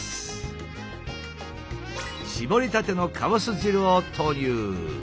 搾りたてのかぼす汁を投入。